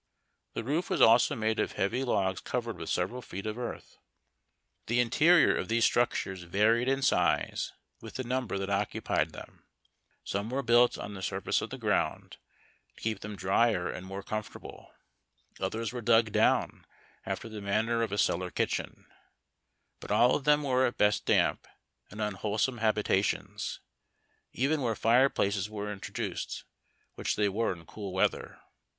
The roof was also made of heavy logs covered with several feet of earth. The interior of these structures varied in size with the number that occupied them. Some were built on the sur face of the ground, to keep them drier and more comfortable ; A COJtIMON KOIMH PHOOF 58 HARD TACK AND COFFEE. others were dug down after the manner of a celhir kitchen ; but all of them were at best damp and unwholesome habi tations — even where fireplaces were introduced, which they were in cool weather.